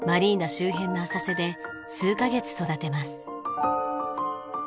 周辺の浅瀬で数カ月育てます。